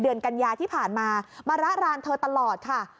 เดือนกัญญาที่ผ่านมามาระลานเธอตลอดค่ะ